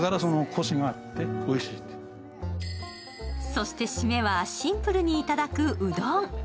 そして締めはシンプルにいただくうどん。